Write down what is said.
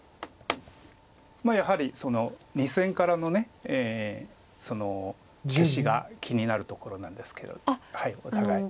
やはり２線からの消しが気になるところなんですけどお互い。